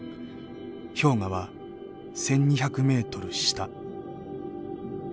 氷河は１，２００ｍ下。